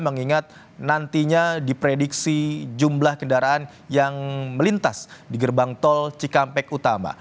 mengingat nantinya diprediksi jumlah kendaraan yang melintas di gerbang tol cikampek utama